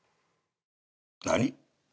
何？